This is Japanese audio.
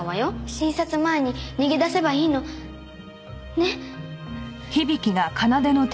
診察前に逃げ出せばいいの。ね？